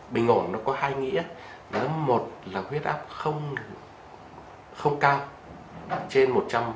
bình ổn nó có hai nghĩa đó là một là huyết áp không cao trên một trăm linh